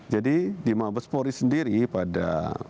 jadi di mabes polri sendiri pada